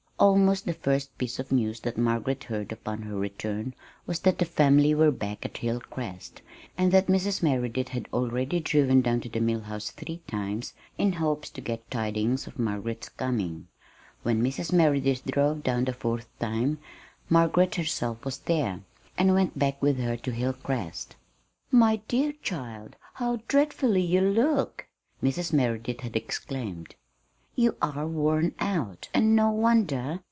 Almost the first piece of news that Margaret heard upon her return was that the family were back at Hilcrest, and that Mrs. Merideth had already driven down to the Mill House three times in hopes to get tidings of Margaret's coming. When Mrs. Merideth drove down the fourth time Margaret herself was there, and went back with her to Hilcrest. "My dear child, how dreadfully you look!" Mrs. Merideth had exclaimed. "You are worn out, and no wonder.